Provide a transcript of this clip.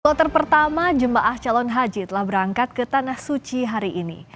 kloter pertama jemaah calon haji telah berangkat ke tanah suci hari ini